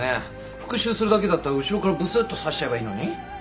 復讐するだけだったら後ろからぶすっと刺しちゃえばいいのに？